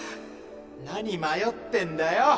なに迷ってんだよ！